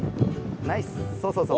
ナイスそうそう。